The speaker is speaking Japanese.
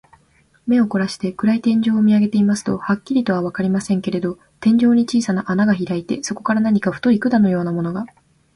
目をこらして、暗い天井を見あげていますと、はっきりとはわかりませんけれど、天井に小さな穴がひらいて、そこから何か太い管のようなものが、